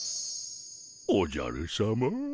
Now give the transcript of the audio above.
おじゃるさま。